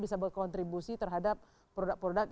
bisa berkontribusi terhadap produk produk